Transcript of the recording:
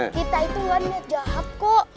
kita itu ga lihat jahat kok